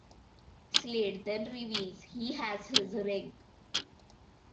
Slade then reveals he has his ring.